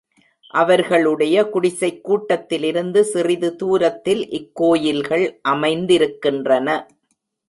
அவர்களுடைய குடிசைக் கூட்டத்திலிருந்து, சிறிது தூரத்தில் இக் கோயில்கள் அமைந்திருக்கின்றன.